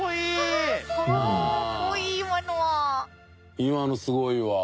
今のすごいわ。